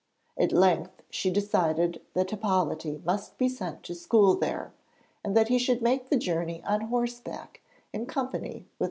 At length she decided that Hippolyte must be sent to school there, and that he should make the journey on horseback in company with M.